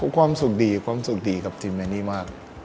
ความสุขดีความสุขดีกับทีมในนี้มาก